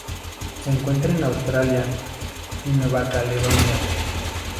Se encuentra en Australia y Nueva Caledonia.